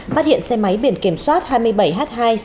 phát hiện xe máy biển kiểm soát hai mươi bảy h hai sáu nghìn hai mươi bốn